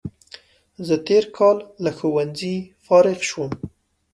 زه تېر کال له ښوونځي فارغ شوم